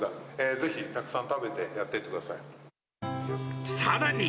ぜひたくさん食べてやっていってさらに